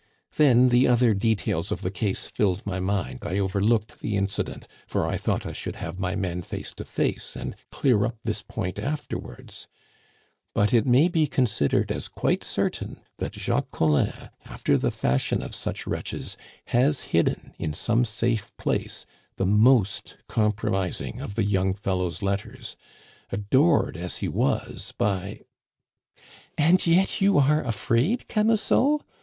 Then the other details of the case filled my mind; I overlooked the incident, for I thought I should have my men face to face, and clear up this point afterwards. But it may be considered as quite certain that Jacques Collin, after the fashion of such wretches, has hidden in some safe place the most compromising of the young fellow's letters, adored as he was by " "And yet you are afraid, Camusot?